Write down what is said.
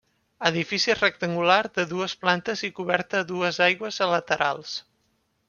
Edifici rectangular de dues plantes i coberta a dues aigües a laterals.